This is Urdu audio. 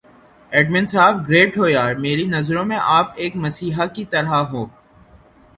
ایڈمن صاحب گریٹ ہو یار میری نظروں میں آپ ایک مسیحا کی طرح ہوں